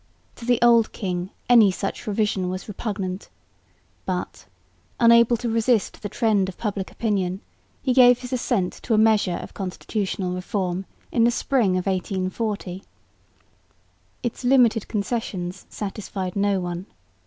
To the old king any such revision was repugnant; but, unable to resist the trend of public opinion, he gave his assent to a measure of constitutional reform in the spring of 1840. Its limited concessions satisfied no one.